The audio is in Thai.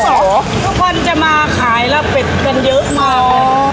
ทุกคนจะมาขายแล้วเป็ดกันเยอะมาก